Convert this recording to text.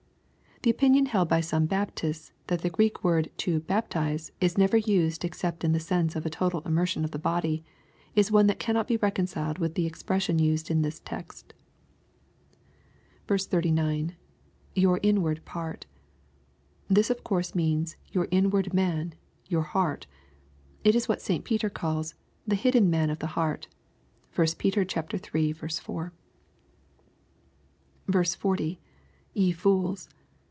The opinion held by some Baptists that the Greek word to " baptize" is never used except in the sense of a total immersion of the body, is one that cannot be reconciled with the expression used in this text. 39. —[ Your inward part] This of course means your inward man — ^your heart." It is what St. Peter calls " the hidden man of the heart." (1 Pet. iii. 4.) iO. —[ Ye fools.